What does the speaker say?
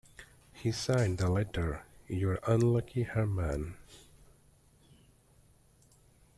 He signed the letter 'your unlucky Hermann'.